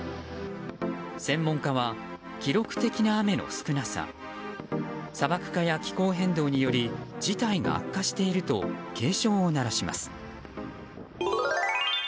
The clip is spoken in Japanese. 専門家は、記録的な雨の少なさ砂漠化や気候変動により事態が悪化していると警鐘を鳴らします。